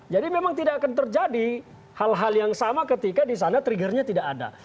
jadi memang tidak akan terjadi hal hal yang sama ketika di sana triggernya tidak ada